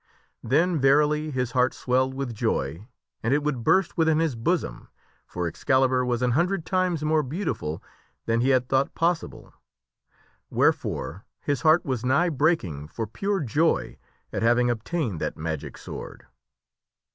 Excaiibur. Then verily his heart swelled with joy an it would burst within his bosom, for Excaiibur was an hundred times more beautiful than he had thought possible. Wherefore his heart was nigh breaking for pure joy at having obtained that magic sword.